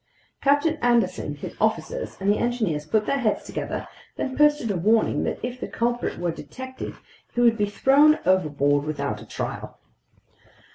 Captain Anderson, his officers, and the engineers put their heads together, then posted a warning that if the culprit were detected, he would be thrown overboard without a trial.